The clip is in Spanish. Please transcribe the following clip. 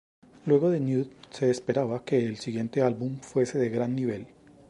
Luego de Nude, se esperaba que el siguiente álbum fuese de gran nivel.